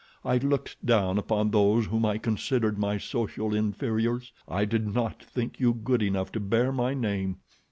I looked down upon those whom I considered my social inferiors. I did not think you good enough to bear my name.